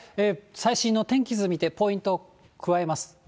最新の天気図見て、ポイントをくわえます。